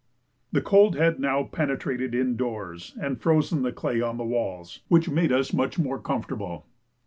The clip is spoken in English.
The cold had now penetrated in doors and frozen the clay on the walls, which made us much more comfortable.